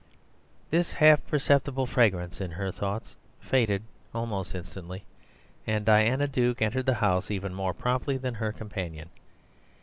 This half perceptible fragrance in her thoughts faded almost instantly, and Diana Duke entered the house even more promptly than her companion.